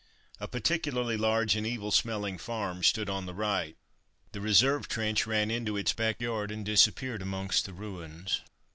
A particularly large and evil smelling farm stood on the right. The reserve trench ran into its back yard, and disappeared amongst the ruins.